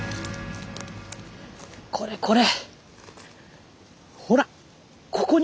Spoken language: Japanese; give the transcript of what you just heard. これこれ。